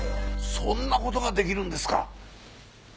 そんな事ができるんですか。